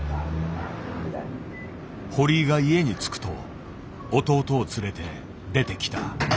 堀井が家に着くと弟を連れて出てきた。